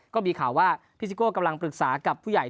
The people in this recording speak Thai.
ก็มีข่าวว่าพี่ซิโก้กำลังปรึกษากับผู้ใหญ่